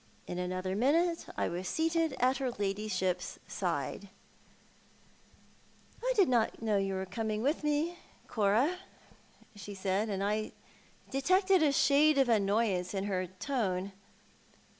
In another minute I was seated at her ladyship's side. 24. Thoii art the Man. " I did not know you were coming with me, Cora," she said, and I detected a shade of annoyance in her tone.